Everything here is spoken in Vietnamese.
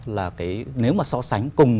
là cái nếu mà so sánh cùng